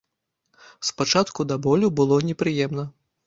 Спачатку да болю было непрыемна.